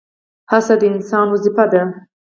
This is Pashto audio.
هڅه د انسان دنده ده؟